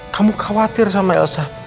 kamu khawatir sama elsa